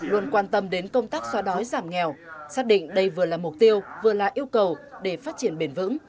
luôn quan tâm đến công tác xóa đói giảm nghèo xác định đây vừa là mục tiêu vừa là yêu cầu để phát triển bền vững